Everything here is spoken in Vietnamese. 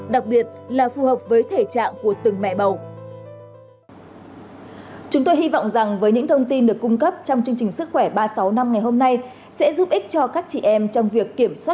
đặc biệt là phù hợp với thể trạng của từng mẹ bầu